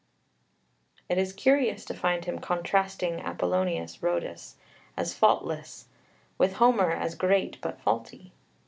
It is curious to find him contrasting Apollonius Rhodius as faultless, with Homer as great but faulty.